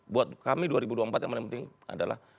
buat kami dua ribu dua puluh empat yang paling penting adalah